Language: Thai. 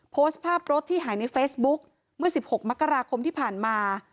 โพสต์ภาพรถที่หายในเฟซบุ๊คเมื่อ๑๖มกราคมที่ผ่านมา